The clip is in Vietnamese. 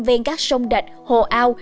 ven các sông rạch hồ ao